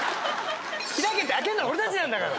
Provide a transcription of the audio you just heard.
「ひらけ」って開けるのは俺たちなんだから。